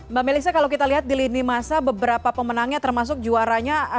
mbak melisa kalau kita lihat di lini masa beberapa pemenangnya termasuk juaranya